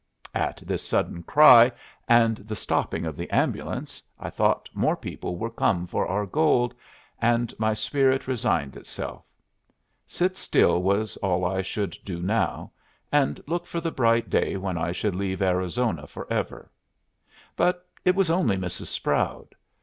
At this sudden cry and the stopping of the ambulance I thought more people were come for our gold, and my spirit resigned itself. Sit still was all I should do now, and look for the bright day when I should leave Arizona forever. But it was only Mrs. Sproud.